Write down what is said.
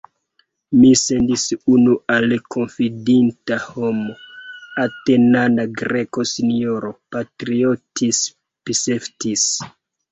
Mi sendis unu al konfidinda homo, Atenana Greko, S-ro Patriotis Pseftis.